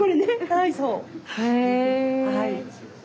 はい。